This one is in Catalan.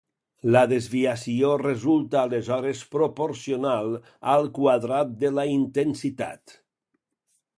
La desviació resulta aleshores proporcional al quadrat de la intensitat.